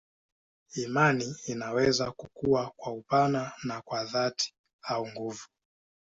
Imani inaweza kukua kwa upana na kwa dhati au nguvu.